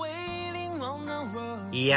いや